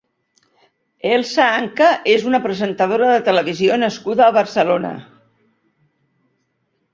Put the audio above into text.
Elsa Anka és una presentadora de televisió nascuda a Barcelona.